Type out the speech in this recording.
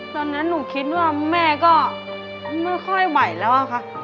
ตอนนั้นหนูคิดว่าแม่ก็ไม่ค่อยไหวแล้วอะค่ะ